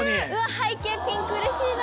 背景ピンクうれしいな。